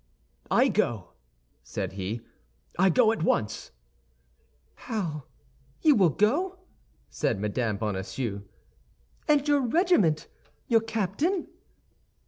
"I go," said he; "I go at once." "How, you will go!" said Mme. Bonacieux; "and your regiment, your captain?"